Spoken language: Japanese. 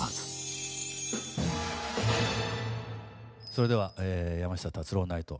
それでは「山下達郎ナイト！」